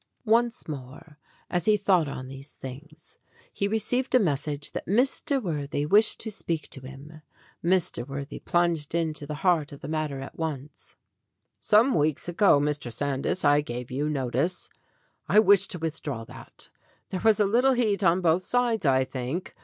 Once more as he thought on these things he re ceived a message that Mr. Worthy wished to speak to him. Mr. Worthy plunged into the heart of the mat ter at once. "Some few weeks ago, Mr. Sandys, I gave you no tice. I wish to withdraw that. There was a little heat on both sides, I think.